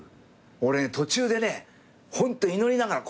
俺途中でねホント祈りながら。